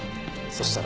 そしたら。